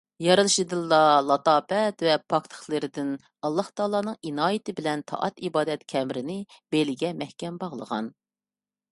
يارىتلىشدىنلا لاتاپەت ۋە پاكلىقلىرىدىن ئاللاھتائالانىڭ ئىنايىتى بىلەن تائەت - ئىبادەت كەمىرىنى بېلىگە مەھكەم باغلىغان.